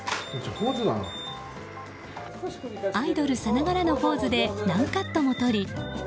アイドルさながらのポーズで何カットも撮り